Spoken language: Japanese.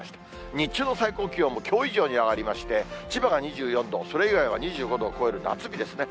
日中の最高気温もきょう以上に上がりまして、千葉が２４度、それ以外は２５度を超える夏日ですね。